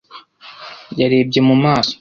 Yarebye mu maso.